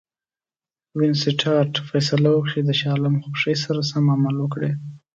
وینسیټارټ فیصله وکړه چې د شاه عالم خوښي سره سم عمل وکړي.